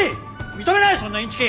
認めないそんなインチキ！